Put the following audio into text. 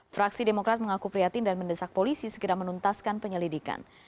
fraksi demokrat mengaku prihatin dan mendesak polisi segera menuntaskan penyelidikan